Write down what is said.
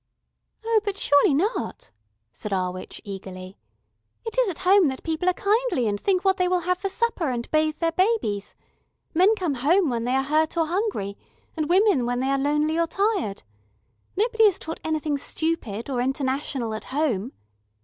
"Oh, but surely not," said our witch eagerly. "It is at home that people are kindly and think what they will have for supper, and bathe their babies. Men come home when they are hurt or hungry, and women when they are lonely or tired. Nobody is taught anything stupid or international at home.